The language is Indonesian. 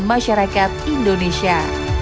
derajat kesehatan masyarakat indonesia